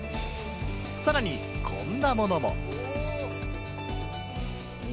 さらに、こんなものも。